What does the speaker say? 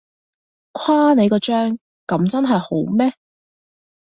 誇你個張，噉真係好咩？